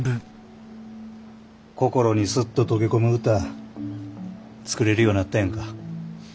心にスッと溶け込む歌作れるようなったやんか。